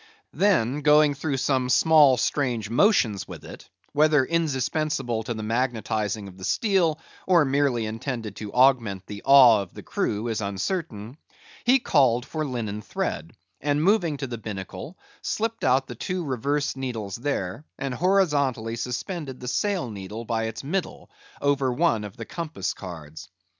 Then going through some small strange motions with it—whether indispensable to the magnetizing of the steel, or merely intended to augment the awe of the crew, is uncertain—he called for linen thread; and moving to the binnacle, slipped out the two reversed needles there, and horizontally suspended the sail needle by its middle, over one of the compass cards.